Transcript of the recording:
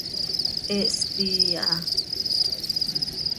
He hspii aha.